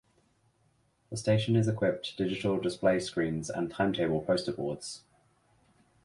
The station is equipped digital display screens and timetable poster boards.